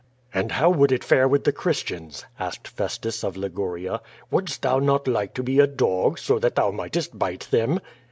"And how would it fare with the Christians?" asked Festus of Liguria. Wouldst thou not like to be a dog, so that thou mightest bite them?"